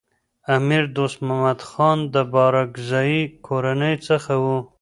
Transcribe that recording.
امیر دوست محمد خان د بارکزايي کورنۍ څخه و.